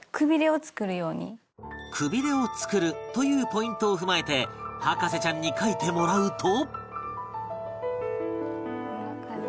「くびれを作る」というポイントを踏まえて博士ちゃんに書いてもらうと